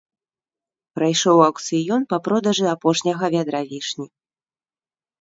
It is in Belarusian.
Прайшоў аўкцыён па продажы апошняга вядра вішні.